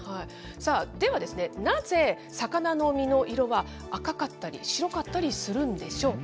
さあ、ではなぜ、魚の身の色は赤かったり、白かったりするんでしょうか。